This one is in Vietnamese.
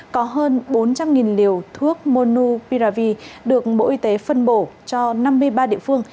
có hơn bốn trăm linh liều thuốc monu piravi được bộ y tế phân bổ cho năm mươi ba địa phương